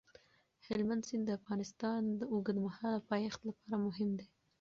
هلمند سیند د افغانستان د اوږدمهاله پایښت لپاره مهم دی.